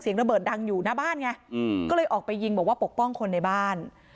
ระเบิดดังอยู่หน้าบ้านไงก็เลยออกไปยิงบอกว่าปกป้องคนในบ้าน